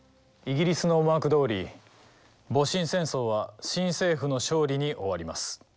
イギリスの思惑どおり戊辰戦争は新政府の勝利に終わります。